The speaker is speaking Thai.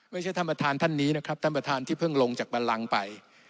ไม่ใช่ท่านประธานท่านนี้นะครับท่านประธานที่เพิ่งลงจากบันลังไป